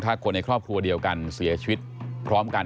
ถ้าคนในครอบครัวเดียวกันเสียชีวิตพร้อมกัน